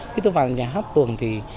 khi tôi vào nhà hát tuồng thì